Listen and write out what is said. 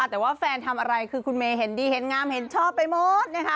แต่ว่าแฟนทำอะไรคือคุณเมย์เห็นดีเห็นงามเห็นชอบไปหมดนะคะ